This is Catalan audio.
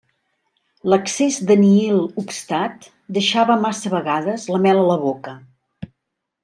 L'excés del nihil obstat deixava massa vegades la mel a la boca.